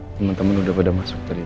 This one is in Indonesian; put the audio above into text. temen temen udah pada masuk tadi